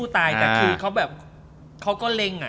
แต่คือเขาก็เล็ง